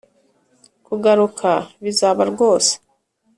kugaruka bizaba rwose